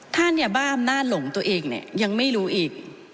ท่านบ้าอำนาจหลงตัวเองยังไม่รู้อีก